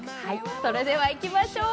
それではいきましょう。